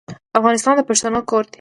افغانستان د پښتنو کور دی.